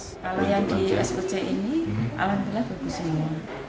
kalau yang di spc ini alhamdulillah bagus ini